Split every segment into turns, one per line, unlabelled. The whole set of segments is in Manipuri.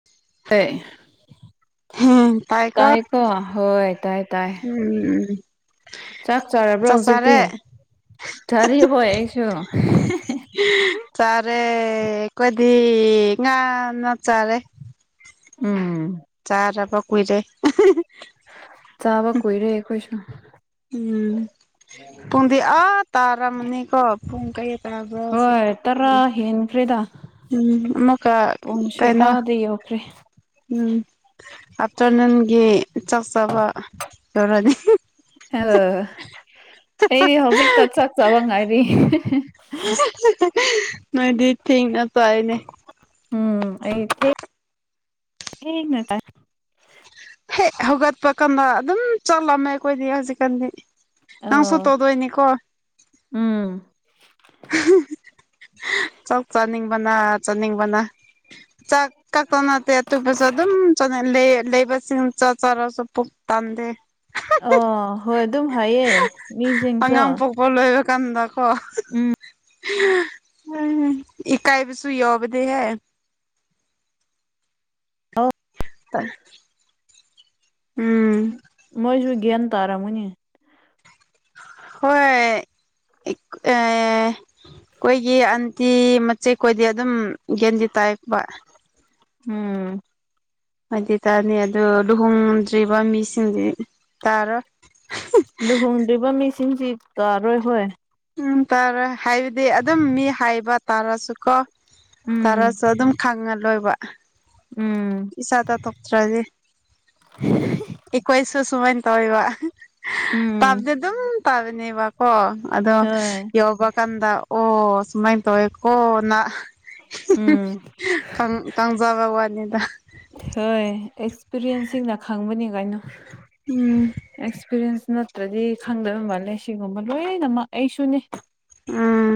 [unintelligible]
ꯇ [unintelligible]
ꯎꯝ ꯇꯥꯏꯀꯣ
ꯇꯥꯏ ꯀꫭ ꯍꯣꯏ ꯇꯥꯏ ꯇꯥꯏ
ꯎꯝ
ꯆꯥꯛ ꯆꯥꯔꯕ꯭ꯔꯣ
ꯆꯥꯛ ꯆꯥꯔꯦ
ꯍꯧꯖꯤꯛꯇꯤ ꯆꯔꯦ ꯍꯣꯏ ꯑꯩꯁꯨ
ꯆꯥꯔꯦꯈꯣꯏꯗꯤ ꯉꯥꯟꯅ ꯆꯥꯔꯦ
ꯎꯝ
ꯆꯥꯔꯕ ꯀꯨꯏꯔꯦ
ꯆꯥꯕ ꯀꯨꯏꯔꯦ ꯑꯩꯈꯣꯏꯁꯨ
ꯎꯝ ꯄꯨꯡꯗꯤ ꯑ ꯇꯥꯔꯝꯅꯤꯀꯣ ꯄꯨꯡ ꯀꯩ
ꯍꯣꯏ ꯇꯔꯥ ꯍꯦꯟꯈ꯭ꯔꯦꯗ
ꯎꯝ ꯑꯃꯨꯛꯀ
ꯄꯨꯡꯁꯦ
ꯀꯩꯅꯣ
ꯑꯥ ꯂꯩꯌꯦ ꯑꯣꯈ꯭ꯔꯦ
ꯎꯝ ꯑꯥꯞꯇꯔꯅꯨꯟꯒꯤ ꯆꯥꯛ ꯆꯥꯕ ꯌꯧꯔꯅꯤ
ꯑ ꯑꯩꯗꯤ ꯍꯧꯖꯤꯛꯇ ꯆꯥꯛ ꯆꯥꯕ ꯉꯥꯏꯔꯤ
ꯅꯣꯏꯗꯤ ꯊꯦꯡꯅ ꯄꯥꯏꯅꯦ
ꯎꯝ ꯑꯩꯅ ꯇ
ꯍꯦꯛ ꯍꯧꯒꯠꯄ ꯀꯥꯟꯗ ꯑꯗꯨꯝ ꯆꯠꯂꯝꯃꯦ ꯑꯩꯈꯣꯏꯗꯤ ꯍꯧꯖꯤꯛꯀꯥꯟꯗꯤ ꯅꯪꯁꯨ
ꯑ
ꯇꯧꯗꯣꯏꯅꯤꯀꯣ
ꯎꯝ
ꯆꯅꯤꯡꯕꯅꯥ ꯆꯅꯤꯡꯕꯅꯥ ꯆꯥꯛ ꯀꯛꯇ ꯅꯠꯇꯦ ꯑꯇꯣꯞꯄꯁꯨ ꯑꯗꯨꯝ ꯂꯩꯕꯁꯤꯡ ꯆ ꯆꯔꯁꯨ ꯄꯨꯛ ꯇꯥꯟꯗꯦ
ꯑꯣ ꯍꯣꯏ ꯑꯗꯨꯝ ꯍꯥꯏꯌꯦ ꯃꯤꯁꯤꯡꯁꯨ
ꯀꯣꯂꯣꯏꯕ ꯀꯥꯟꯗꯀꯣ
ꯎꯝ
ꯏꯀꯥꯏꯕ ꯁꯨꯏ ꯑꯣꯕꯗ ꯍꯥꯏ
ꯑꯥꯎ
ꯎꯝ
ꯃꯣꯏꯁꯨ ꯒ꯭ꯌꯥꯟ ꯇꯥꯔꯝꯒꯅꯤ
ꯍꯣꯏ ꯑꯩꯈꯣꯏꯒꯤ ꯑꯟꯇꯤ ꯃꯆꯦꯛ ꯈꯣꯏꯗꯤ ꯑꯗꯨꯝ ꯒꯦꯟꯗꯤ ꯇꯥꯏꯄ
ꯎꯝ
ꯍꯥꯏꯗꯤ ꯇꯥꯅꯤ ꯑꯗꯨꯗ ꯂꯨꯍꯣꯡꯗ꯭ꯔꯤꯕ ꯃꯤꯁꯤꯡꯗꯤ ꯇꯥꯔꯣ
ꯂꯨꯍꯣꯡꯗ꯭ꯔꯤꯕ ꯃꯤꯁꯤꯡꯁꯤ ꯇꯥꯔꯣꯏ ꯍꯣꯏ
ꯎꯝ ꯇꯥꯔꯣꯏ ꯍꯥꯏꯕꯗꯤ ꯑꯗꯨꯝ ꯃꯤ ꯍꯥꯏꯕ ꯇꯥꯔꯁꯨꯀꯣ
ꯎꯝ
ꯇꯔꯁꯨ ꯑꯗꯨꯝ ꯈꯪꯉ ꯂꯣꯏꯕ
ꯎꯝ
ꯏꯆꯥ ꯇꯥꯊꯣꯛꯇ꯭ꯔꯗꯤ ꯑꯩꯈꯣꯏꯁꯨ ꯁꯨꯃꯥꯏꯅ ꯇꯧꯋꯦꯕ
ꯎꯝ
ꯇꯥꯕꯗꯤ ꯑꯗꯨꯝ ꯇꯥꯕꯅꯦꯕꯀꯣ ꯑꯗꯣ
ꯍꯣꯏ
ꯌꯧꯕ ꯀꯥꯟꯗ ꯑꯣ ꯁꯨꯃꯥꯏꯅ ꯇꯧꯋꯦꯀꯣ ꯅꯥ
ꯎꯝ
ꯀꯥꯡꯪꯖꯕ ꯋꯥꯅꯤꯗ
ꯍꯣꯏ ꯑꯦꯛꯁꯄꯤꯔꯤꯌꯦꯟꯁꯁꯤꯡꯅ ꯈꯪꯕꯅꯤ ꯀꯥꯏꯩꯅꯣ
ꯎꯝ
ꯑꯦꯛꯁꯄꯤꯔꯤꯌꯦꯟꯁ ꯅꯠꯇ꯭ꯔꯗꯤ ꯈꯪꯗꯕ ꯃꯥꯜꯂꯦ ꯁꯤꯒꯨꯝꯕ ꯂꯣꯏꯅꯃꯛ ꯑꯩꯁꯨꯅꯦ
ꯎꯝ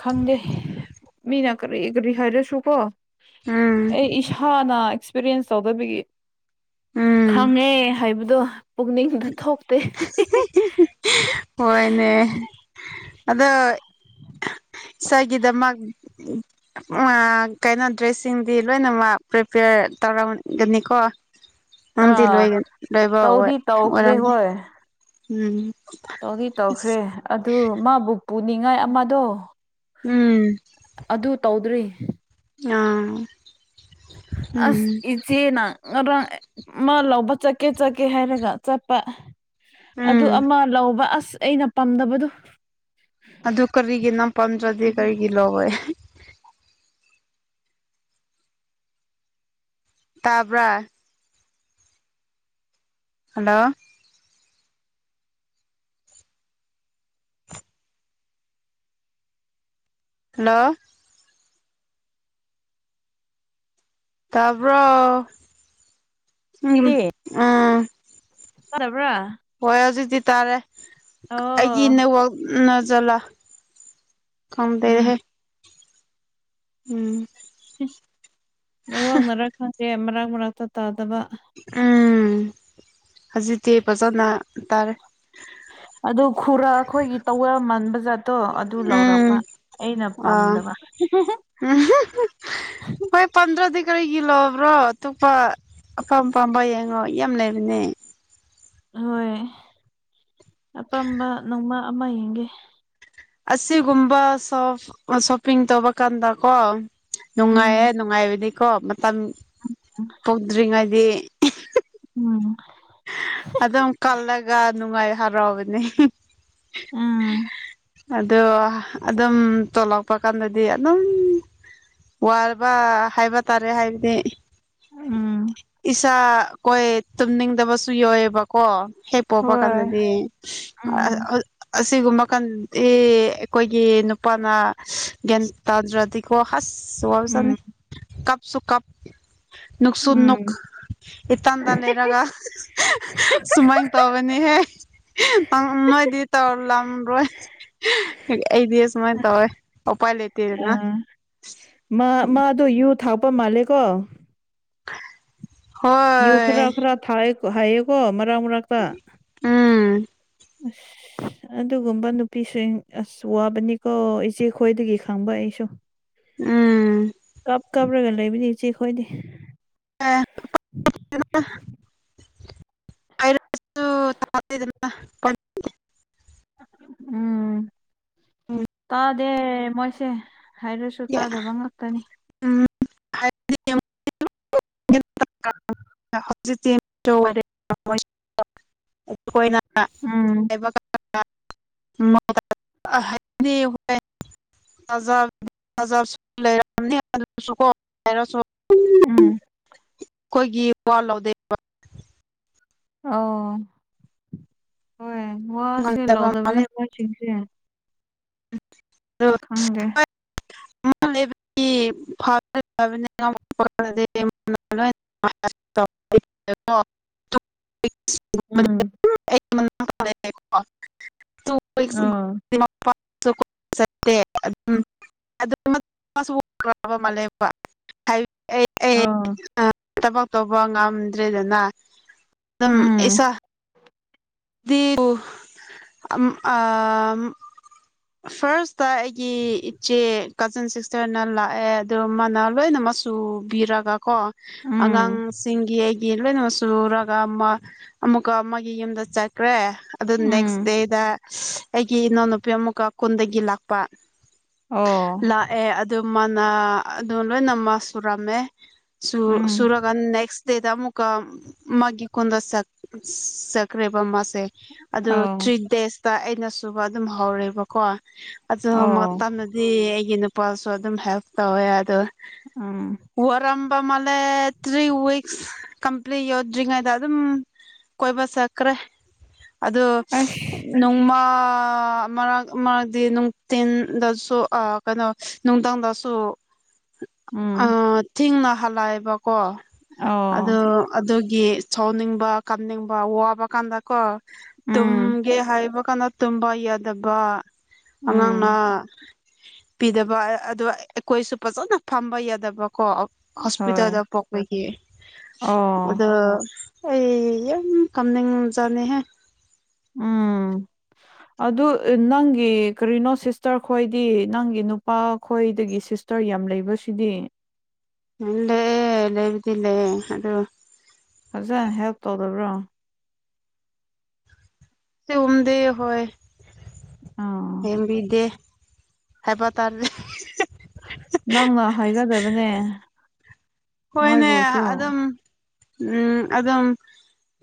ꯈꯪꯗꯦ ꯃꯤꯅ ꯀꯔꯤ ꯀꯔꯤ ꯍꯥꯏꯔꯁꯨꯀꯣ
ꯎꯝ
ꯑꯩ ꯏꯁꯥꯅ ꯑꯦꯛꯁꯄꯤꯔꯤꯌꯦꯟ꯭ꯁ ꯇꯧꯗꯕꯤꯒꯤ
ꯎꯝ
ꯈꯪꯉꯦ ꯍꯥꯏꯕꯗꯣ ꯄꯨꯛꯅꯤꯡꯗ ꯊꯣꯛꯇꯦ
ꯍꯣꯏꯅꯦ ꯑꯗꯣ ꯏꯁꯩꯒꯤꯗꯃꯛ ꯀꯩꯅꯣ ꯗ꯭ꯔꯦꯁꯁꯤꯡꯗꯤ ꯂꯣꯏꯅꯃꯛ ꯄ꯭ꯔꯤꯄꯦꯌꯔ ꯇꯧꯔꯝꯒꯅꯤꯀꯣ ꯑꯝꯗꯤ ꯂꯣꯏꯒ ꯂꯣꯏꯕ ꯍꯣꯏ
ꯑꯣꯈꯔꯦ ꯍꯣꯏ
ꯎꯝ
ꯇꯧꯗꯤ
ꯑꯁ
ꯇꯧꯈ꯭ꯔꯦ ꯑꯗꯨ ꯃꯥꯕꯨ ꯄꯨꯅꯤꯡꯉꯥꯏ ꯑꯃꯗꯣ
ꯎꯝ
ꯑꯗꯨ ꯇꯧꯗ꯭ꯔꯤ
ꯑꯥ [unintelligible]
ꯑꯁ
ꯎꯝ
ꯏ ꯆꯦꯅ ꯑꯃ ꯂꯧꯕ ꯆꯠꯀꯦ ꯆꯠꯀꯦ ꯍꯥꯏꯔꯒ ꯆꯠꯄ ꯑꯗꯨ
ꯎꯝ
ꯑꯃ ꯂꯧꯕ ꯑꯁ ꯑꯩꯅ ꯄꯥꯝꯗꯕꯗꯨ
ꯑꯗꯨ ꯀꯔꯤꯒꯤ ꯅꯝ ꯄꯥꯝꯗ꯭ꯔꯗꯤ ꯀꯔꯤꯒꯤ ꯂꯧꯔꯣꯏ ꯇꯥꯕ꯭ꯔꯥ ꯍꯜꯂꯣ ꯍꯜꯂꯣ ꯇꯥꯕꯔꯣ
ꯗꯤ ꯇꯥꯗꯕ꯭ꯔꯥ
ꯍꯣꯏ ꯑꯗꯨꯖꯤꯛꯇꯤ ꯇꯥꯔꯦ ꯑꯩꯒꯤ
ꯑꯣ
ꯅꯦꯠꯋꯥꯛꯅꯖꯠꯂꯥ ꯈꯝꯗꯔꯦꯍꯦ
ꯎꯝ
ꯎꯝ
ꯅꯦꯋꯥꯛꯅꯔ ꯈꯪꯗꯦ ꯃꯔꯛ ꯃꯔꯥꯛꯇ ꯇꯥꯗꯕ
ꯎꯝ ꯍꯧꯖꯤꯛꯇꯤ ꯐꯖꯅ ꯇꯥꯔꯦ
ꯑꯗꯨ ꯈꯨꯔꯥ ꯑꯩꯈꯣꯏꯒꯤ ꯇꯋꯃꯟ ꯕꯖꯥꯠꯇꯣ ꯑꯗꯨ ꯂꯧꯔꯛꯄ ꯑꯩꯅ
ꯑ
ꯄꯥꯝꯗꯕ
ꯎ ꯍꯣꯏ ꯄꯟꯗ꯭ꯔꯗꯤ ꯀꯔꯤꯒꯤ ꯂꯧꯕ꯭ꯔꯣ ꯑꯇꯣꯞꯄ ꯑꯄꯥꯝ ꯑꯄꯥꯝꯕ ꯌꯦꯡꯉꯣ ꯌꯥꯝ ꯂꯩꯕꯅꯦ
ꯍꯣꯏ ꯑꯄꯥꯝꯕ ꯅꯣꯡꯃ ꯑꯃ ꯌꯦꯡꯒꯦ
ꯑꯁꯤꯒꯨꯝꯕ ꯁꯣ ꯁꯣꯞꯄꯤꯡ ꯇꯧꯕ ꯀꯥꯟꯗꯀꯣ ꯅꯨꯡꯉꯥꯏꯌꯦ ꯅꯨꯡꯉꯥꯏꯕꯅꯤꯀꯣ ꯃꯇꯝ
ꯎꯝ [unintelligible]
ꯐꯧꯗ꯭ꯔꯤꯉꯩꯗꯤ
ꯎꯝ
ꯑꯗꯨꯝ ꯀꯜꯂꯒ ꯅꯨꯡꯉꯥꯏ ꯍꯔꯥꯎꯕꯅꯤ
ꯎꯝ
ꯑꯗꯣ ꯑꯗꯨꯝ ꯇꯣꯂꯛꯄ ꯀꯥꯟꯗꯗꯤ ꯑꯗꯨꯝ ꯋꯥꯕ ꯍꯥꯏꯕ ꯇꯥꯔꯦ ꯍꯥꯏꯕꯗꯤ
ꯎꯝ
ꯏꯁꯥ ꯀꯣꯏ ꯇꯨꯝꯅꯤꯡꯗꯕꯁꯨ ꯌꯥꯏꯑꯦꯕꯀꯣ ꯄꯄ
ꯍꯣꯏ
ꯀꯗꯗꯤ
ꯎꯝ
ꯑꯁꯤꯒꯨꯝꯕ ꯈꯟꯗꯤ ꯑꯩꯈꯣꯏꯒꯤ ꯅꯨꯄꯥꯅ ꯒ꯭ꯌꯥꯟ ꯇꯥꯗ꯭ꯔꯗꯤꯀꯣ ꯍꯁ ꯁꯋꯥ ꯄꯁꯅꯤ
ꯎꯝ
ꯀꯞꯁꯨ ꯀꯞ ꯅꯨꯡꯛꯁꯨꯠ ꯅꯨꯡꯛ
ꯎꯝ
ꯏꯇꯥꯟꯗ ꯂꯩꯔꯒ ꯁꯨꯃꯥꯏꯅ ꯇꯧꯕꯅꯤꯍꯦ ꯅꯣꯏꯗꯤ ꯇꯧꯔ ꯂꯝ ꯔꯣꯏ ꯑꯩꯗꯤ ꯁꯨꯃꯥꯏꯅ ꯇꯧꯋꯦ ꯎꯄꯥꯏ ꯂꯩꯇꯦꯗꯅ
ꯑꯥ ꯃꯥ ꯃꯥꯗꯣ ꯌꯨ ꯊꯥꯛꯄ ꯃꯥꯜꯂꯦ ꯀꯣ ꯌꯨ
ꯍꯣꯏ
ꯈꯔ ꯈꯔ ꯊ ꯍꯥꯏꯌꯦꯀꯣ ꯃꯔꯛ ꯃꯔꯛꯇ
ꯎꯝ
ꯑꯁ ꯑꯗꯨꯒꯨꯝꯕ ꯅꯨꯄꯤꯁꯤꯡ ꯑꯁ ꯋꯥꯕꯅꯤꯀꯣ ꯏꯆꯦ ꯈꯣꯏꯗꯒꯤ ꯈꯪꯕ ꯑꯩꯁꯨ
ꯎꯝ
ꯀꯞ ꯀꯕꯒ ꯂꯩꯕꯤꯗꯤ ꯏ ꯆꯦ ꯈꯣꯏꯗꯤ
ꯑ [unintelligible] ꯐ ꯔꯁ ꯆꯃ
ꯎꯝ ꯇꯥꯗꯦ ꯃꯣꯏꯁꯦ ꯍꯥꯏꯔꯁꯨ ꯇꯥꯗꯕ ꯉꯥꯛꯇꯅꯤ
ꯑꯥ ꯍꯧꯖꯤꯛꯇ ꯗꯤ ꯍꯣꯏ
ꯎꯝ
ꯖꯖꯥ ꯂꯩꯅꯤ ꯑꯗꯨꯁꯨꯣꯔꯁꯨ
ꯎꯝ
ꯑꯩꯣꯏꯒꯤ ꯋꯥ ꯂꯥꯎꯗ
ꯑꯣ ꯍꯣꯏ ꯋꯥꯁꯦ
ꯉꯝꯗꯕ ꯃꯥꯜꯂꯦ
ꯂꯧꯗꯕꯅꯦ ꯃꯣꯏꯁꯤꯡꯁꯦ ꯈꯪꯗꯦ
ꯕ ꯐ ꯑ
ꯎꯝ
[inaudible] ꯃ
ꯑ
ꯆꯠꯇꯦ ꯑꯗꯨꯝ ꯑꯗꯨꯈ꯭ꯔꯕ ꯃꯥꯜꯂꯦꯕ ꯍꯥꯏ ꯑꯩ
ꯑ
ꯊꯕꯛ ꯇꯧꯕ ꯉꯝꯗ꯭ꯔꯦꯗꯅ ꯑꯗꯨꯝ
ꯎꯝ
ꯏꯁꯥ ꯑ ꯐꯥꯔꯁꯇ ꯑꯩꯒꯤ ꯏꯆꯦ ꯀꯖꯤꯟ ꯁꯤꯁꯇꯔꯅ ꯂꯥꯛꯑꯦ ꯑꯗꯣ ꯃꯥꯅ ꯂꯣꯏꯅꯃꯛ ꯁꯨꯕꯤꯔꯒꯀꯣ
ꯎꯝ
ꯑꯉꯥꯡꯁꯤꯡꯒꯤ ꯑꯩꯒꯤ ꯂꯣꯏꯅꯃꯛ ꯁꯨꯔꯨꯔꯒ ꯑꯃ ꯑꯃꯨꯛꯀ ꯑꯃꯒꯤ ꯌꯨꯝꯗ ꯆ ꯀ꯭ꯔꯦ ꯑꯗꯨ ꯅꯦꯛꯁ
ꯎꯝ
ꯗꯦꯗ ꯑꯩꯒꯤ ꯏꯅꯥꯎꯅꯨꯄꯤ ꯑꯃꯨꯛꯀ ꯀꯨꯟꯗꯒꯤ ꯂꯥꯛꯄ
ꯑꯣ
ꯑꯦ ꯑꯗꯨ ꯃꯥꯅ ꯑꯗꯨ ꯂꯣꯏꯅꯃꯛ ꯁꯨꯔꯝꯃꯦ
ꯎꯝ
ꯁꯨꯔꯒ ꯅꯦꯛꯁ ꯂꯩꯗ ꯑꯃꯨꯀ ꯃꯥꯒꯤ ꯀꯗ ꯁ ꯁꯀ꯭ꯔꯦꯕꯃ ꯑꯗꯨ
ꯑꯣ
ꯊ꯭ꯔꯤ ꯗꯦꯖꯇ ꯑꯩꯅ ꯁꯨꯕ ꯑꯗꯨꯝ ꯍꯧꯔꯦꯕꯀꯣ ꯑꯗꯨ
ꯑꯣ
ꯃꯇꯝ ꯗꯤ ꯑꯩꯒꯤ ꯅꯨꯄꯥꯁꯨ ꯑꯗꯨꯝ ꯍꯦꯜꯞ ꯇꯧꯋꯦ ꯑꯗꯣ
ꯑꯥ
ꯑꯣꯔꯝꯕ ꯃꯂꯦ ꯊ꯭ꯔꯤ ꯋꯥꯋꯛꯁ ꯀꯝꯄ꯭ꯂꯠ ꯌꯧꯗ꯭ꯔꯤꯥꯏ ꯑꯗꯨꯝ ꯀꯣꯏꯕ ꯆꯀ꯭ꯔꯦ ꯑꯗꯨꯗ
ꯑꯁ
ꯅꯣꯡꯃ ꯃꯔꯛ ꯃꯔꯛꯇꯗꯤ ꯅꯨꯡꯇꯤꯟꯗꯁꯨ ꯀꯩꯅꯣ ꯅꯨꯡꯊꯪꯗꯁꯨ ꯑ
ꯎꯝ
ꯊꯤꯡꯅ ꯍꯜꯂꯑꯦꯕꯀꯣ
ꯑꯣ
ꯑ ꯑꯗꯨꯒꯤ ꯁꯥꯎꯅꯤꯡꯕ ꯀꯝꯅꯤꯡꯕ ꯋꯥꯕ ꯀꯥꯟꯗꯀꯣ
ꯎꯝ
ꯇꯨꯝꯒꯦ ꯍꯥꯏꯕ ꯀꯥꯟꯗ ꯇꯨꯝꯕ ꯌꯥꯗꯕ ꯑꯉꯥꯡꯅ
ꯎꯝ
ꯄꯤꯗꯕ ꯑꯗ ꯑꯩꯈꯣꯏꯁꯨ ꯐꯖꯅ ꯐꯝꯕ ꯌꯥꯗꯕꯀꯣ
ꯍꯣꯏ
ꯍꯣꯁꯄꯤꯇꯥꯜꯗꯄꯣꯛꯕꯦ
ꯑꯣ
ꯑꯗꯨꯗ ꯑꯩ ꯌꯥꯝ ꯀꯥꯅꯤꯡ ꯅꯨꯡꯖꯥꯅꯤꯍꯦ
ꯎꯝ
[inaudible]
ꯑꯗꯨ ꯅꯪꯒꯤ ꯀꯔꯤꯅꯣ ꯁꯤꯁꯇꯔ ꯈꯣꯏꯗꯤ ꯅꯪꯒꯤ ꯅꯨꯄꯥ ꯈꯣꯏꯗꯒꯤ ꯁꯤꯁ ꯗꯇꯔ ꯌꯥꯝ ꯂꯩꯕꯁꯤꯗꯤ
ꯎꯝ ꯂꯩꯑ ꯂꯩꯕꯨꯗꯤ ꯂꯩꯦ ꯑꯗꯨ
ꯐꯖꯅ ꯍꯦꯜꯞ ꯇꯧꯗꯕ꯭ꯔꯣ
ꯎꯝꯗꯦ ꯍ
ꯑꯥ
ꯁꯦꯝꯦꯝꯕꯤ ꯗꯦ ꯍꯥꯏꯕ ꯇꯥꯔ [inaudible]
ꯅꯪꯅ ꯍꯥꯏꯒꯗꯕꯅꯦ
ꯍꯣꯏꯅꯦ
ꯃꯣꯏꯕꯨꯁꯨ
ꯑꯗꯨꯝ ꯎꯝ ꯑꯗꯨꯝ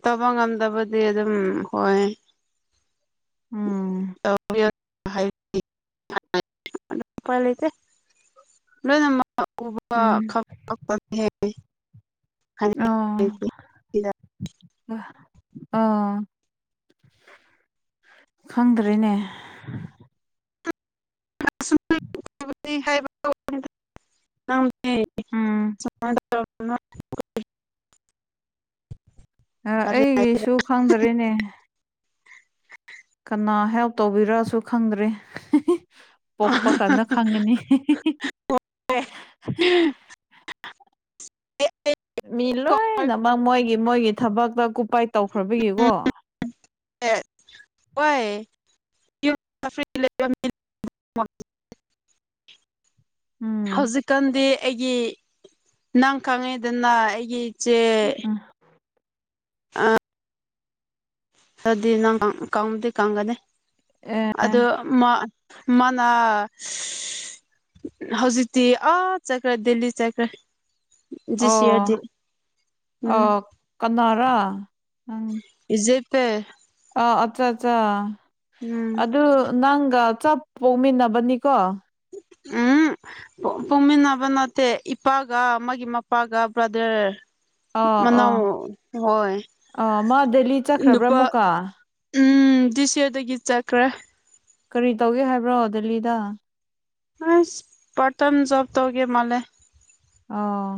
ꯇꯧꯕ ꯉꯝꯗꯕꯗꯤ ꯑꯗꯨꯝ ꯍꯣꯏ
ꯎꯝ
ꯍꯥꯏ [inaudible] ꯄꯥ
ꯎꯝ
[inaudible] ꯎꯦ [inaudible]
ꯑꯣ ꯑꯣ ꯈꯪꯗ꯭ꯔꯦꯅꯦ
ꯍꯥꯏ [inaudible] ꯇ
ꯎꯝ
[inaudible]
ꯑꯩꯒꯤꯁꯨ ꯈꯪꯗꯔꯤꯅꯦ ꯀꯅꯥ ꯍꯦꯜꯞ ꯇꯧꯕꯤꯔꯛꯁꯨ ꯈꯪꯗ꯭ꯔꯦ ꯄꯣꯛꯄ ꯀꯥꯟꯗ ꯈꯪꯒꯅꯤ ꯃꯤ ꯂꯣꯏꯅꯃꯛ ꯃꯣꯏꯒꯤ ꯃꯣꯏꯒꯤ ꯊꯕꯛꯇ ꯀꯨꯄꯥꯏ ꯇꯧꯈ꯭ꯔꯕꯒꯤꯀꯣ
[inaudible]
ꯎꯝ
ꯍꯧꯖꯤꯛꯀꯥꯟꯗꯤ ꯑꯩꯒꯤ ꯅꯪ ꯈꯪꯉꯤꯗꯅ ꯑꯩꯒꯤ ꯏꯆꯦ
ꯎꯝ
ꯑꯥ ꯑꯗꯨꯗꯤ ꯅꯪ ꯀꯪꯗꯤ ꯀꯪꯒꯅꯤ ꯑꯗꯨ ꯃꯅꯥ ꯍꯧꯖꯤꯛꯇꯤ ꯑ ꯆꯀ꯭ꯔ ꯗꯦꯜꯂꯤ ꯆꯀ꯭ꯔ
ꯑꯣ
ꯎꯝ
ꯑꯣ ꯀꯅꯥꯔꯥ ꯎꯝ
ꯏꯖꯦꯄꯦ
ꯑꯥ ꯑꯠꯆꯥ ꯑꯠꯆꯥ
ꯎꯝ
ꯑꯗꯨ ꯅꯪꯒ ꯆ ꯄꯣꯛꯃꯤꯟꯅꯕꯅꯤꯀꯣ
ꯑꯨꯝ ꯄꯨꯃꯤꯟꯅꯕ ꯅꯠꯇꯦ ꯏꯄꯥꯒ ꯃꯥꯒꯤ ꯃꯄꯥꯒ ꯕ꯭ꯔꯗꯔ
ꯑꯥ
ꯃꯅ
ꯑꯥ
ꯍꯣꯏ
ꯑꯥ ꯃꯥ ꯗꯦꯜꯂꯤ ꯆꯠꯈ꯭ꯔꯕ꯭ꯔꯥ
ꯅꯨꯄꯥ
ꯑꯃꯨꯛꯀ
ꯎꯝ ꯗꯤꯁꯌꯣꯗꯒꯤ ꯆꯀ꯭ꯔ
ꯀꯔꯤ ꯇꯧꯒꯦ ꯍꯥꯏꯕ꯭ꯔꯣ ꯗꯦꯜꯂꯤꯗ
ꯑ ꯄꯇꯝꯖꯞ ꯇꯧꯒꯦ ꯃꯜꯂꯦ
ꯑꯣ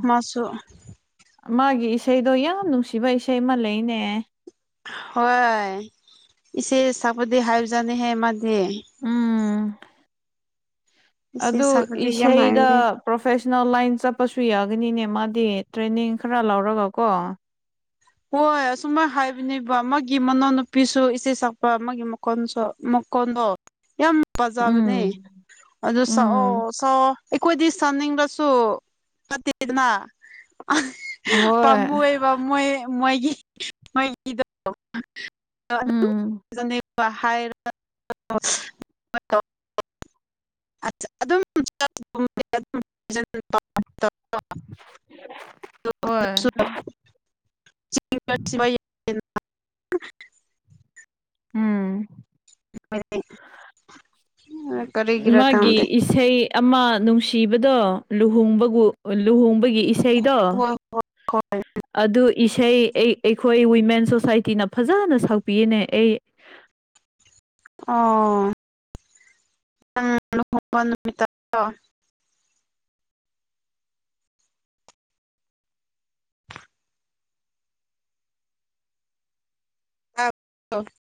ꯃꯥꯒꯤ ꯏꯁꯩꯗꯣ ꯌꯥꯝ ꯅꯨꯡꯁꯤꯕ ꯏꯁꯩ ꯑꯃ ꯂꯩꯅꯦ
ꯍꯣꯏ ꯏꯆꯦ ꯆꯥꯛꯄꯗꯤ ꯍꯥꯏꯕꯖꯥꯅꯤꯍꯦ ꯃꯥꯗꯤ
ꯎꯝ
ꯏꯆꯦ
ꯑꯗꯨ
ꯁꯛꯄꯗꯤ ꯌꯥꯝ
ꯏꯁꯩꯗ
ꯍꯥꯏꯕꯅꯦ
ꯄ꯭ꯔꯣꯐꯦꯁꯅꯦꯜ ꯂꯥꯏꯟ ꯆꯠꯄꯁꯨ ꯌꯥꯒꯅꯤꯅꯦ ꯃꯥꯗꯤ ꯇ꯭ꯔꯦꯅꯤꯡ ꯈꯔ ꯂꯧꯔꯒ ꯀꯣ
ꯍꯣꯏ ꯑꯁꯨꯨꯝꯃꯥꯏꯅ ꯍꯥꯏꯕꯅꯦꯕ ꯃꯥꯒꯤ ꯃꯅꯥꯎꯅꯨꯄꯤꯁꯨ ꯏꯆꯦ ꯁꯛꯄ ꯑꯃꯒꯤ ꯃꯀꯣꯟꯁꯨ ꯃꯀꯣꯟꯗꯣ ꯌꯥꯝ ꯄꯖꯕꯅꯦ
ꯎꯝ
ꯑꯗꯨ ꯁꯛꯑꯣ
ꯎꯝ
ꯁꯛꯑꯣ ꯑꯩꯈꯣꯏꯗꯤ ꯁꯥꯟꯅꯤꯡꯂꯁꯨ ꯐꯠꯇꯦꯗꯅ
ꯍꯣꯏ
ꯄꯥꯝꯃꯨꯏꯑꯦꯕ ꯃꯣꯏ ꯃꯣꯏꯒꯤ ꯃꯣꯏ ꯏꯗ
ꯎꯝ
[inaudible] ꯍꯥꯏꯔ [inaudible] ꯑꯗꯨꯝ [inaudible]
ꯍꯣꯏ
ꯁꯤ [inaudible]
ꯎꯝ
ꯀꯔꯤꯒꯤꯔ
ꯃꯥꯒꯤ
ꯈꯪꯗꯦ
ꯏꯁꯩ ꯑꯃ ꯅꯨꯡꯁꯤꯕꯗꯣ ꯂꯨꯍꯣꯡꯕꯒꯨ ꯂꯨꯍꯣꯡꯕꯒꯤ ꯏꯁꯩꯗꯣ
[inaudible]
ꯑꯗꯨ ꯏꯁꯩ ꯑꯩ ꯑꯩꯈꯣꯏ ꯋꯤꯃꯦꯟ ꯁꯣꯁꯥꯏꯇꯤꯅ ꯐꯖꯅ ꯁꯛꯄꯤꯌꯦꯅꯦ ꯑꯩ
ꯑꯣ [inaudible] ꯑꯥ [inaudible]